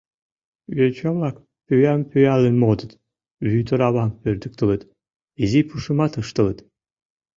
Йоча-влак пӱям пӱялен модыт, вӱд оравам пӧрдыктылыт, изи пушымат ыштылыт.